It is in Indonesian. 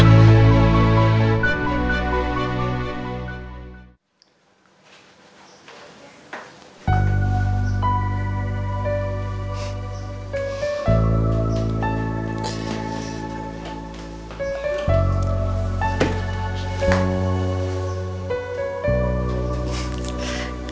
kok diliatin terus sih satu tangannya